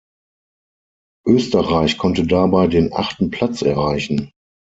Österreich konnte dabei den achten Platz erreichen.